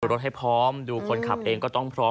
รถให้พร้อมดูคนขับเองก็ต้องพร้อม